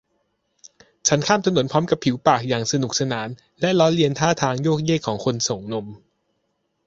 ฉันข้ามถนนพร้อมกับผิวปากอย่างสนุกสานและล้อเลียนท่าทางโยกเยกของคนส่งนม